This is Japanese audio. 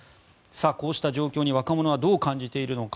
こうした状況に若者はどう感じているのか。